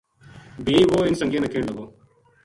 بھی وہ اِنھ سنگیاں نا کہن لگو